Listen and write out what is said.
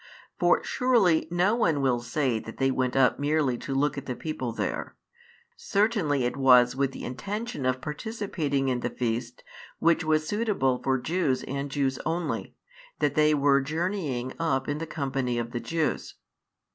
For surely no one will say that they went up merely to look at the people there; certainly it was with the intention of |144 participating in the feast which was suitable for Jews and Jews only, that they were journeying up in the company of the Jews.